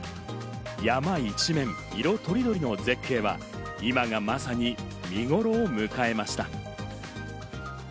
山一面、色とりどりの絶景は今がまさに見ごろを迎えました。